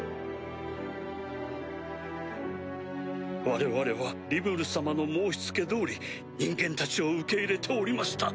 我々はリムル様の申し付け通り人間たちを受け入れておりました。